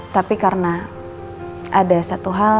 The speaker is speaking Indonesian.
tapi karena ada satu hal